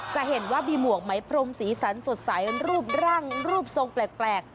จะเห็นว่ามีหมวกไหมพรมสีสันสดใสรูปร่างรูปทรงแปลก